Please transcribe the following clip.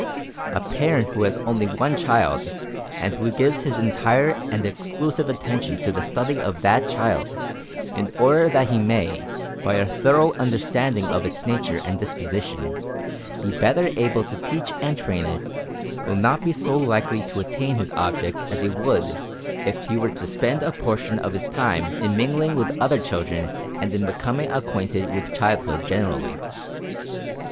A parent who has only one child, and who gives his entire and exclusive attention to the study of that child, in order that he may, by a thorough understanding of its nature and disposition, be better able to teach and train it, will not be so likely to attain his object as he would if he were to spend a portion of his time in mingling with other children and in becoming acquainted with childhood generally.